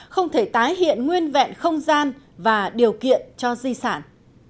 không thể tái hiện nguyên vẹn không gian và điều kiện cho di sản